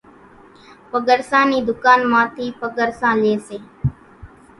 پڳرسان نِي ڌُڪان مان ٿِي پڳرسان لئي سي۔